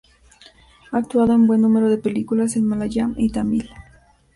Ha actuado en un buen número de películas en malayalam y tamil.